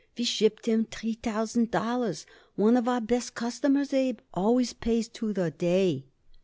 "We shipped him three thousand dollars. One of our best customers, Abe. Always pays to the day."